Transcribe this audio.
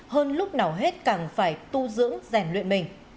hơn lúc nào hết càng phải tu dưỡng rèn luyện mình